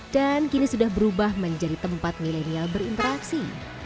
dan kini sudah berubah menjadi tempat milenial berinteraksi